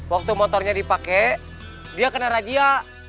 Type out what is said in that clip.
waktu motornya dipakai dia kena rajia